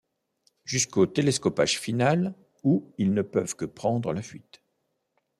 Jusqu'au télescopage final, où ils ne peuvent que prendre la fuite.